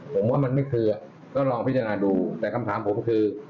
ผมว่ามันไม่เคลือก็ลองพิจารณาดูแต่คำถามผมคือ